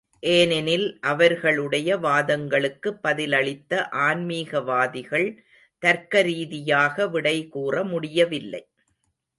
ஏனெனில் அவர்களுடைய வாதங்களுக்கு பதிலளித்த ஆன்மீகவாதிகள் தர்க்க ரீதியாக விடைகூற முடியவில்லை.